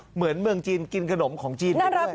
เหมือนเมืองจีนกินขนมของจีนได้ด้วย